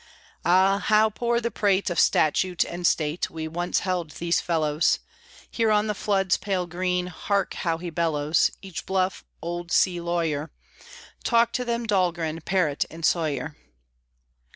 Ah, how poor the prate Of statute and state We once held these fellows! Here on the flood's pale green, Hark how he bellows, Each bluff old Sea Lawyer! Talk to them, Dahlgren, Parrott, and Sawyer!